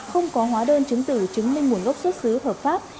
không có hóa đơn chứng tử chứng minh nguồn gốc xuất xứ hợp pháp